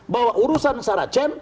bahwa urusan saracen